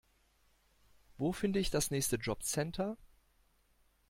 Wo finde ich das nächste Jobcenter?